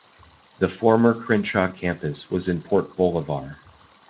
The former Crenshaw campus was in Port Bolivar.